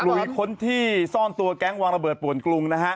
ลุยคนที่ซ่อนตัวแก๊งวางระเบิดป่วนกรุงนะฮะ